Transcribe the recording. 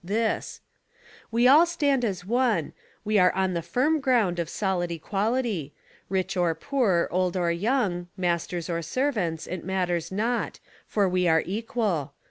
this: "We all stand as one; we are on the firm ground of solid equality; rich or poor, old or young, masters or servants, it matters not, for we are equal.